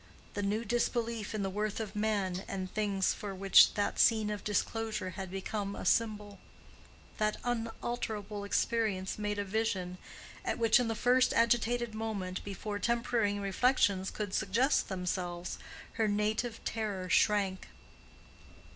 —the new disbelief in the worth of men and things for which that scene of disclosure had become a symbol. That unalterable experience made a vision at which in the first agitated moment, before tempering reflections could suggest themselves, her native terror shrank.